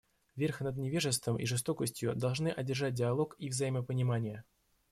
Верх над невежеством и жестокостью должны одержать диалог и взаимопонимание.